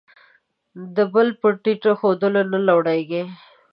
د بل په ټیټ ښودلو، ته نه لوړېږې.